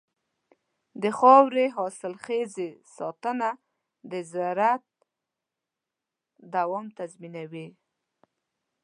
د خاورې حاصلخېزۍ ساتنه د زراعت دوام تضمینوي.